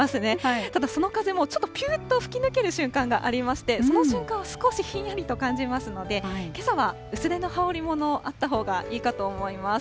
ただ、その風もちょっと、ぴゅーっと吹き抜ける瞬間がありまして、その瞬間は少しひんやりと感じますので、けさは薄手の羽織り物、あったほうがいいかと思います。